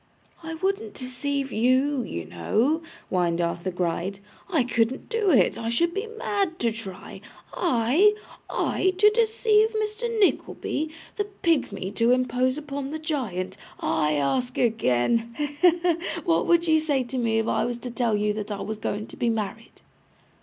'I wouldn't deceive YOU, you know,' whined Arthur Gride; 'I couldn't do it, I should be mad to try. I, I, to deceive Mr. Nickleby! The pigmy to impose upon the giant. I ask again he, he, he! what should you say to me if I was to tell you that I was going to be married?